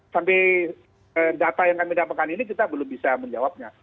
sampai data yang kami dapatkan ini kita belum bisa menjawabnya